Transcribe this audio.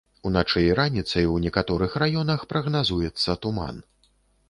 Уначы і раніцай у некаторых раёнах прагназуецца туман.